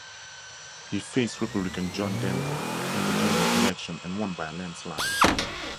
He faced Republican John Dendahl in the general election and won by a landslide.